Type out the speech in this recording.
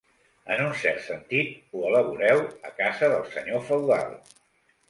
En un cert sentit, ho elaboreu a casa del senyor feudal.